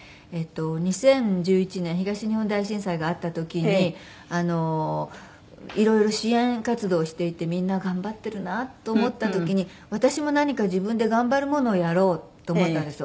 ２０１１年東日本大震災があった時に色々支援活動をしていてみんな頑張ってるなと思った時に私も何か自分で頑張るものをやろうと思ったんですよ。